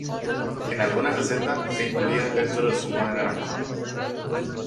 En algunas recetas se incluye dentro zumo de naranja.